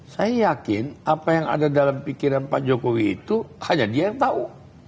saya yakin apa yang ada dalam pikiran pak jokowi itu hanya dia yang tahu